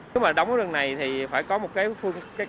nếu mà đóng con đường này thì phải có một cái phương